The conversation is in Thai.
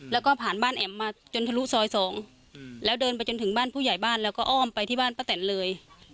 แล้วก็ผ่านบ้านแอ๋มมาจนทะลุซอย๒แล้วเดินไปจนถึงบ้านผู้ใหญ่บ้านแล้วก็อ้อมไปที่บ้านป้าแตนเลย